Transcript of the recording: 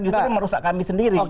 justru merusak kami sendiri